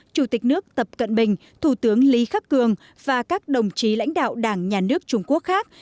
chủ tịch nước tập cận bình thủ tướng lý khắc cường và các đồng chí lãnh đạo đảng nhà nước trung quốc khác